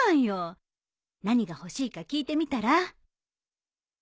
何が欲しいか聞いてみたら？